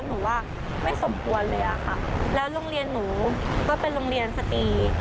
หนูว่าไม่สมควรเลยอะค่ะแล้วโรงเรียนหนูก็เป็นโรงเรียนสตรี